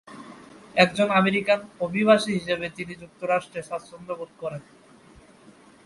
একজন আমেরিকান অভিবাসী হিসাবে তিনি যুক্তরাষ্ট্রে স্বাচ্ছন্দ্যবোধ করেন।